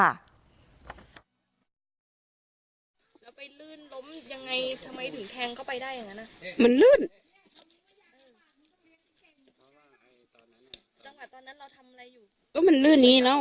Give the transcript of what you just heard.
แล้วเลือดทำไมออกเยอะตอนนั้น